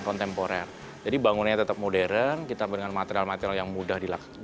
kontemporer jadi bangunnya tetap modern kita dengan material material yang mudah dilakukan